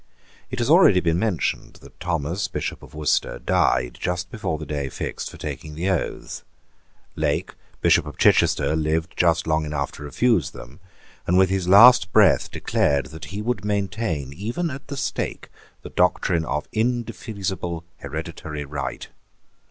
It has already been mentioned that Thomas, Bishop of Worcester, died just before the day fixed for taking the oaths. Lake, Bishop of Chichester, lived just long enough to refuse them, and with his last breath declared that he would maintain even at the stake the doctrine of indefeasible hereditary right.